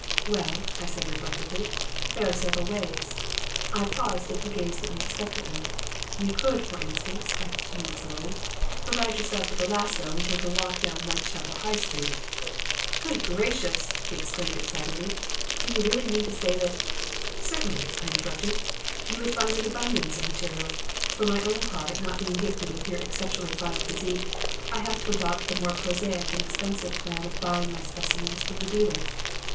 "'Well,' I said reflectively, 'there are several ways.' I paused and he gazed at me expectantly. 'You could, for instance,' I continued slowly, 'provide yourself with a lasso and take a walk down Whitechapel High Street.' "'Good gracious!' he exclaimed excitedly; 'do you really mean to say that ' "'Certainly,' I interrupted. 'You would find an abundance of material. For my own part, not being gifted with your exceptionally fine physique, I have to adopt the more prosaic and expensive plan of buying my specimens from the dealers.'